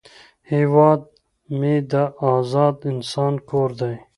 هیواد مې د آزاد انسان کور دی